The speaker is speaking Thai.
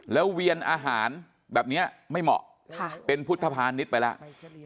แล้วเวียนอาหารแบบนี้ไม่เหมาะเป็นพุทธภานิษฐ์ไปแล้ว